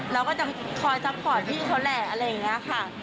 เราก็จะคอยซัพพอร์ตพี่เขาแหละอะไรอย่างนี้ค่ะ